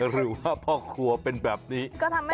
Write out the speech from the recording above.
หรือว่าพ่อครัวเป็นแบบนี้